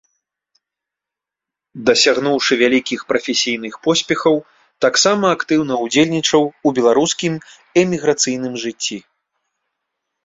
Дасягнуўшы вялікіх прафесійных поспехаў, таксама актыўна ўдзельнічаў у беларускім эміграцыйным жыцці.